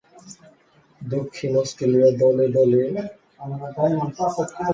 দক্ষিণ অস্ট্রেলিয়া দলে খেলা অবস্থায় সরকারী প্রিন্টিং অফিসে চাকুরী করছিলেন।